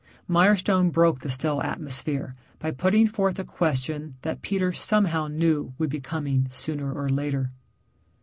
Mirestone broke the still atmosphere by putting forth a question that Peter somehow knew would be coming sooner or later.